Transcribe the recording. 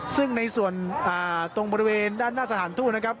ซึ่งในส่วนตรงบริเวณด้านหน้าสถานทูตนะครับ